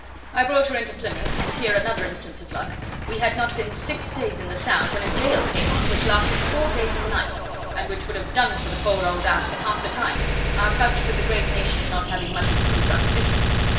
I brought her into Plymouth; and here another instance of luck. We had not been six hours in the Sound, when a gale came on, which lasted four days and nights, and which would have done for poor old Asp in half the time; our touch with the Great Nation not having much improved our condition.